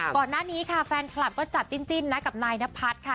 ก่อนหน้านี้ค่ะแฟนคลับก็จัดจิ้นนะกับนายนพัฒน์ค่ะ